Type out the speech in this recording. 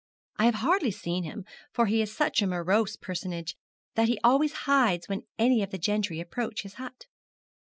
I have hardly seen him, for he is such a morose personage that he always hides when any of the gentry approach his hut.'